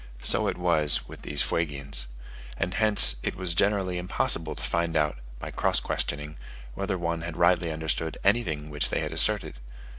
So it was with these Fuegians, and hence it was generally impossible to find out, by cross questioning, whether one had rightly understood anything which they had asserted.